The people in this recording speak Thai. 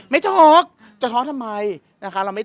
ไม่ท้อกเธอท้อทำไม